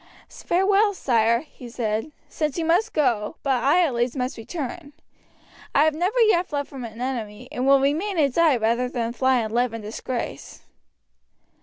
"Farewell, sire," he said, "since you must go, but I at least must return; I have never yet fled from an enemy, and will remain and die rather than fly and live in disgrace."